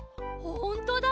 ほんとだ！